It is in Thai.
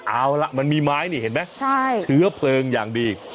เอาล่ะมันมีไม้นี่เห็นไหมเชื้อเพลิงอย่างดี